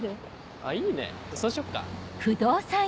あいいねそうしよっか。